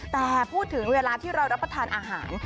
แต่พูดถึงเวลาที่เรารับประทานอาหาร